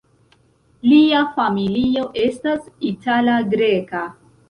Lia familio estas itala-greka.